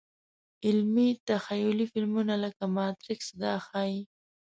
علمي – تخیلي فلمونه لکه ماتریکس دا ښيي.